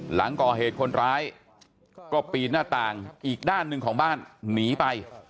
หลังก่อเหตุคนร้ายก็ปีนหน้าต่างอีกด้านหนึ่งของบ้านหนีไป